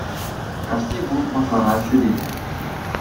Кашни кун масара ҫӳренӗ